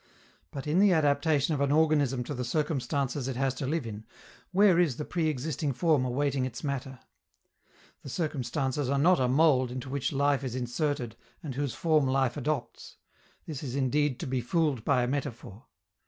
But, in the adaptation of an organism to the circumstances it has to live in, where is the pre existing form awaiting its matter? The circumstances are not a mold into which life is inserted and whose form life adopts: this is indeed to be fooled by a metaphor.